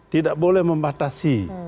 tidak boleh membatasi